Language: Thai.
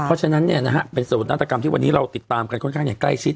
เพราะฉะนั้นเนี่ยนะฮะเป็นส่วนนาฏกรรมที่วันนี้เราติดตามกันค่อนข้างเนี่ยใกล้ชิด